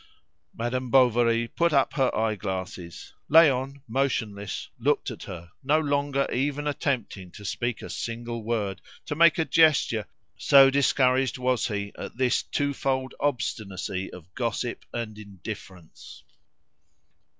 Madame Bovary put up her eyeglasses. Léon, motionless, looked at her, no longer even attempting to speak a single word, to make a gesture, so discouraged was he at this two fold obstinacy of gossip and indifference.